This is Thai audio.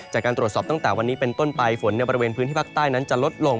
จากการตรวจสอบตั้งแต่วันนี้เป็นต้นไปฝนในบริเวณพื้นที่ภาคใต้นั้นจะลดลง